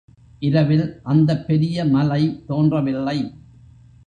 இரவில் அந்தப் பெரிய மலை தோன்றவில்லை.